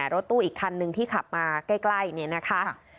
รถตู้อีกคันหนึ่งที่ขับมาใกล้เนี่ยนะคะ